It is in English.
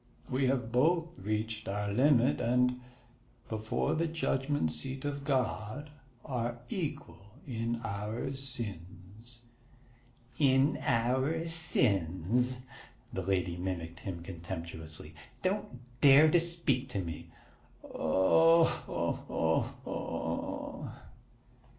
We have both reached our limit and, before the judgment seat of God, are equal in our sins." "In our sins," the lady mimicked him contemptuously. "Don't dare to speak to me." "Oh ho ho ho!"